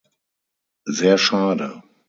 Sehr schade!